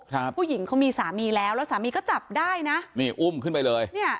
ผู้หญิงเขามีสามีแล้วแล้วสามีก็จับได้นะนี่อุ้มขึ้นไปเลยเนี้ย